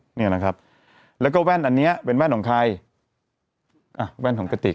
เนี่ยนะครับแล้วก็แว่นอันเนี้ยเป็นแว่นของใครอ่ะแว่นของกระติก